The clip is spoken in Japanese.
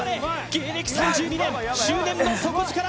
芸歴３２年執念の底力！